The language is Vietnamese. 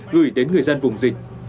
gửi đến người dân vùng dịch